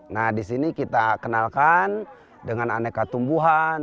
nah di sini kita kenalkan dengan aneka tumbuhan